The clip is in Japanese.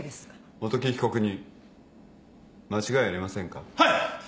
元木被告人間違いありませんか。